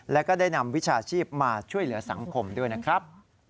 แล้วก็ได้นำวิชาชีพมาช่วยเหลือสังคมด้วยนะครับ